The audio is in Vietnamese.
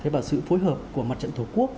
và sự phối hợp của mặt trận thổ quốc